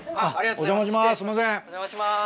お邪魔します